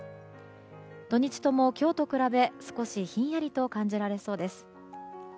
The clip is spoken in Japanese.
土日とも今日と比べ、少しひんやりと感じられそうです。